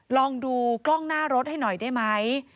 ลองดูกล้องหน้ารถให้หน่อยได้ไหม